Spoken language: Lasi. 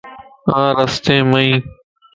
آن رستي مائين